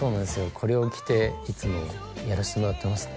これを着ていつもやらしてもらってますね